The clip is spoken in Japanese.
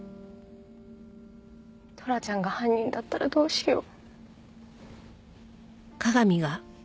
トラちゃんが犯人だったらどうしよう。